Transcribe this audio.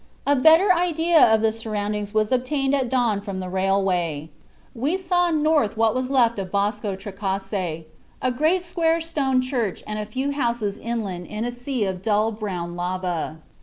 A better idea of the surroundings was obtained at dawn from the railway. We saw north what was left of Bosco Trecase a great, square stone church and a few houses inland in a sea of dull, brown lava.